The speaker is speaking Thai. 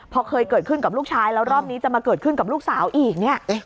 พอเคยเกิดขึ้นกับลูกชายแล้วรอบนี้จะมาเกิดขึ้นกับลูกสาวอีกเนี่ย